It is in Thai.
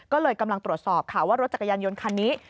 ก็เลยกำลังตรวจสอบค่ะว่ารถจักรยานยนต์คันนี้